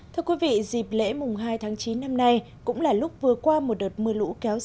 thưa quý vị dịp lễ mùng hai tháng chín năm nay cũng là lúc vừa qua một đợt mưa lũ kéo dài tại nhiều địa phương